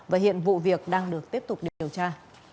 và hiện vụ việc đang được tiếp tục điều tra